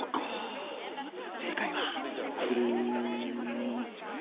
正解はここです。